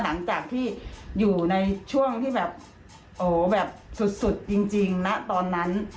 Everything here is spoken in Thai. หลังจากที่อยู่ในช่วงที่แบบโอ้โหแบบสุดจริงนะตอนนั้น